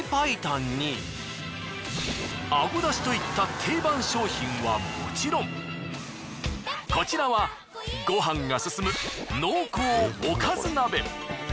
あごだしといった定番商品はもちろんこちらはご飯がすすむ濃厚おかず鍋。